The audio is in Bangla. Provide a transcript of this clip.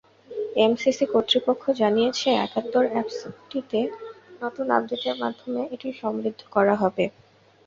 এমসিসি কর্তৃপক্ষ জানিয়েছে, একাত্তর অ্যাপসটিতে নতুন আপডেটের মাধ্যমে এটি সমৃদ্ধ করা হবে।